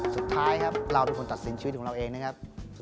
สุดท้ายครับเราเป็นคนตัดสินชีวิตของเราเองนะครับ